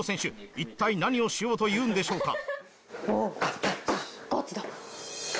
一体何をしようというんでしょうか？